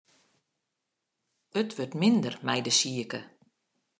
It wurdt minder mei de sike.